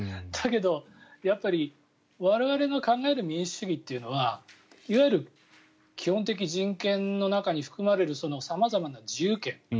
だけどやっぱり我々が考える民主主義というのはいわゆる基本的人権の中に含まれる様々な自由権